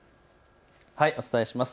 お伝えします。